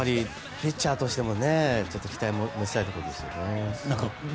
ピッチャーとしても期待したいところですよね。